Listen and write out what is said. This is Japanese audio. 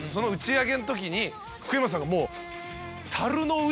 福山さんがもう。